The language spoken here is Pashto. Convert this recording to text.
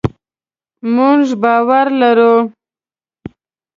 مونږ باور لرو